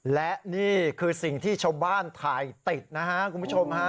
และนี่คือสิ่งที่ชาวบ้านถ่ายติดนะฮะคุณผู้ชมฮะ